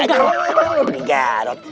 aduh lu beri garot